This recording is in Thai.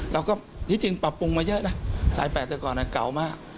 เราก็ที่จริงปรับปรุงมาเยอะนะสาย๘แต่ก่อนเก่ามาก